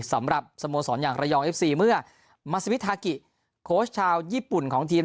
สำหรับสโมสรอย่างระยองเอฟซีเมื่อมาซิวิทากิโค้ชชาวญี่ปุ่นของทีม